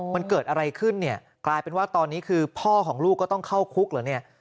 มันเกิดอะไรขึ้นเนี่ยกลายเป็นว่าตอนนี้คือพ่อของลูกก็ต้องเข้าคุกเหรอเนี่ย